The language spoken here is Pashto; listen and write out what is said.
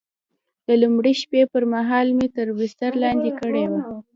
د لومړۍ شپې پر مهال مې تر بستر لاندې کړې وه.